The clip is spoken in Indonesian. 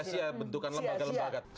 akan sia sia bentukan lembaga lembaga